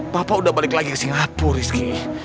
papa udah balik lagi ke singapura rizky